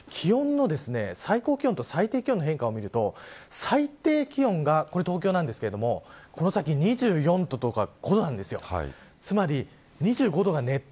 最高気温と最低気温の変化を見ると最低気温がこれは東京なんですがこの先、２４度とか２５度なんです。